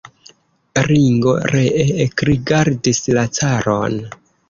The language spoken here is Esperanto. Ringo ree ekrigardis la caron.